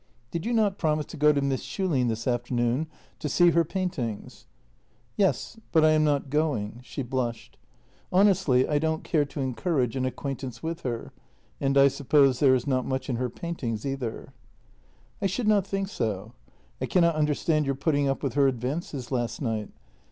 " Did you not promise to go to Miss Schulin this afternoon to see her paintings ?"" Yes, but I am not going." She blushed. " Honestly I don't care to encourage an acquaintance with her, and I suppose there is not much in her paintings either." " I should not think so. I cannot understand your putting up with her advances last night.